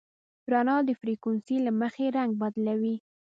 رڼا د فریکونسۍ له مخې رنګ بدلوي.